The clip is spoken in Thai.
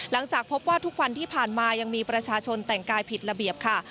หลังจากพบว่าทุกวันที่ผ่านมายังมีประชาชนแต่งกายผิดระเบียบค่ะ